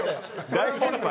大先輩。